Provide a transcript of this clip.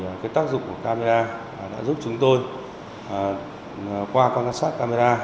trong quá trình thực hiện đến nay tác dụng của camera đã giúp chúng tôi qua quan sát camera